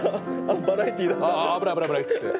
あ危ない危ないっつって。